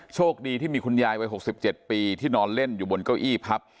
โชคดีที่มีคุณยายวัย๖๗ปีที่นอนเล่นอยู่บนเก้าอี้พับ